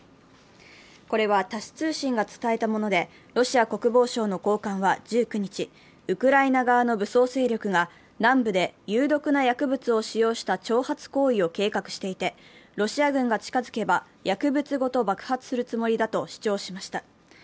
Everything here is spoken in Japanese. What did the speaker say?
これはタス通信が伝えたものでロシア国防省の高官は１９日、ウクライナ側の武装勢力が南部で有毒な薬物を使用した挑発行為を計画していて、ロシア軍が近づけば薬物ごと爆破するつもりだと主張しました。